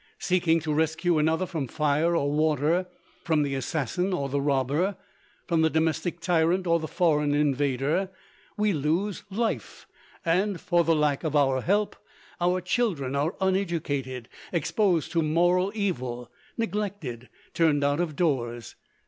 Seeking to rescue another from fire or water, from the assassin or the robber; from the domestic tyrant or the foreign invader, we lose life, and, for lack of our help, our children are uneducated, exposed to moral evil, neglected, turned out of doors.